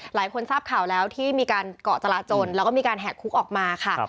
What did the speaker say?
หลายคนทราบข่าวแล้วที่มีการเกาะจราจนแล้วก็มีการแหกคุกออกมาค่ะ